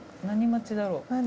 何待ちだろう？